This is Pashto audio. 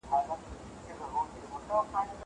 زه کتاب ليکلی دی!